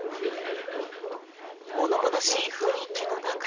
物々しい雰囲気の中